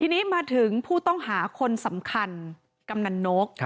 ทีนี้มาถึงผู้ต้องหาคนสำคัญกำนันนก